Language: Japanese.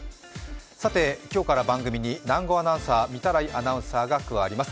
さて今日から番組に南後アナウンサー、御手洗アナウンサーが加わります。